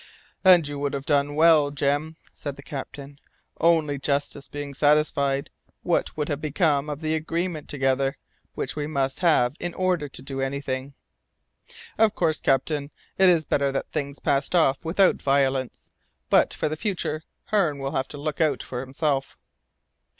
"And you would have done well, Jem," said the captain. "Only, justice being satisfied, what would have become of the agreement together, which we must have in order to do anything?" "Of course, captain, it is better that things passed off without violence! But for the future Hearne will have to look out for himself."